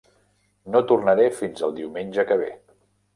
No tornaré fins al diumenge que ve.